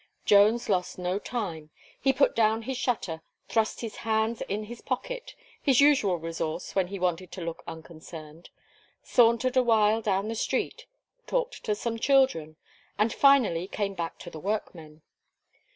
Jones lost no time; he put down his shutter, thrust his hands in his pocket his usual resource when he wanted to look unconcerned sauntered awhile down the street, talked to some children, and finally came back to the workmen.